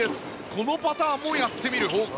このパターンもやってみる。